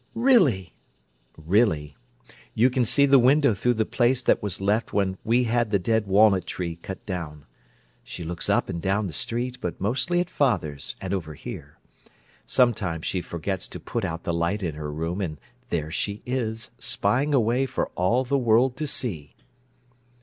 "Really!" "Really. You can see the window through the place that was left when we had the dead walnut tree cut down. She looks up and down the street, but mostly at father's and over here. Sometimes she forgets to put out the light in her room, and there she is, spying away for all the world to see!"